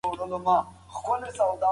کړکۍ لږه لږه ښورېدله.